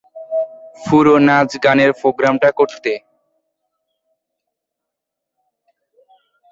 পুরো নাচ-গানের প্রোগ্রামটা করতে।